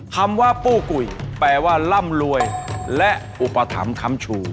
คำว่าปู้กุยแปลว่าร่ำรวยและอุปถัมภ์คำชู